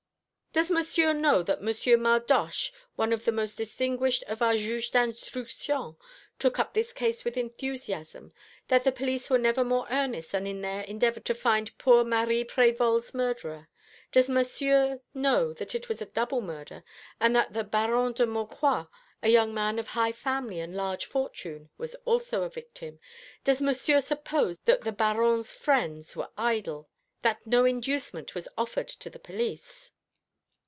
"Does Monsieur know that Monsieur Mardoche, one of the most distinguished of our Juges d'Instruction, took up this case with enthusiasm; that the police were never more earnest than in their endeavour to find poor Marie Prévol's murderer? Does Monsieur know that it was a double murder, and that the Baron de Maucroix, a young man of high family and large fortune, was also a victim? Does Monsieur suppose that the Baron's friends were idle that no inducement was offered to the police?"